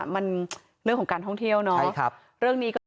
มันเรื่องของการท่องเที่ยวเนาะเรื่องนี้ก็